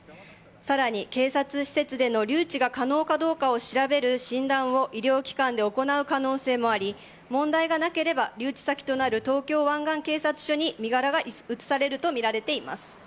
さらに警察施設での留置が可能かどうかを調べる診断を医療機関で行う可能性もあり問題がなければ留置先となる東京湾岸警察署に身柄が移されるとみられています。